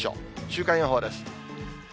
週間予報です。